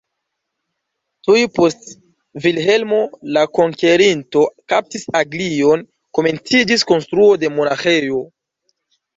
Tuj post Vilhelmo la Konkerinto kaptis Anglion komenciĝis konstruo de monaĥejo.